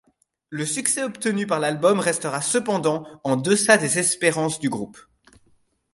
Le succès obtenu par l'album restera cependant en deçà des espérances du groupe.